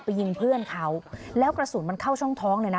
ยิงเพื่อนเขาแล้วกระสุนมันเข้าช่องท้องเลยนะ